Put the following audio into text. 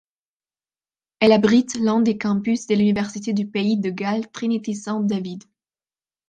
Elle abrite l'un des campus de l'université du pays de Galles Trinity Saint David.